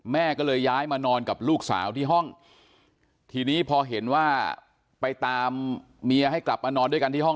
แม่ก็เลยย้ายมานอนกับลูกสาวที่ห้องทีนี้พอเห็นว่าไปตามเมียให้กลับมานอนด้วยกันที่ห้อง